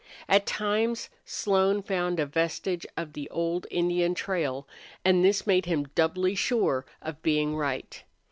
At times Slone found a vestige of the old Indian trail, and this made him doubly sure of being right.